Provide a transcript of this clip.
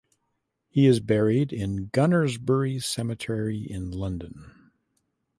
He is buried in Gunnersbury Cemetery in London.